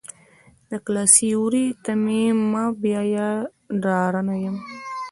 د کلا سیوري ته مې مه بیایه ډارنه یم.